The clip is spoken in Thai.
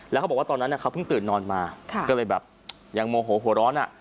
แล้วเขาบอกว่าตอนนั้นเขาเพิ่งตื่นนอนมาก็เลยแบบยังโมโหหัวร้อน